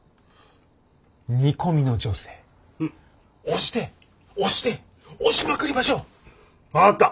煮込みの女性押して押して押しまくりましょう。分かった。